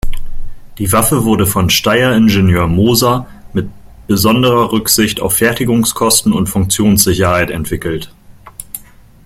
Die Waffe wurde von Steyr-Ingenieur Moser mit besonderer Rücksicht auf Fertigungskosten und Funktionssicherheit entwickelt.